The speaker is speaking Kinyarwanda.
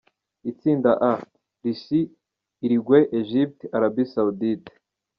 Itsinda A: Russie, Uruguay, Egypte, Arabie Saoudite.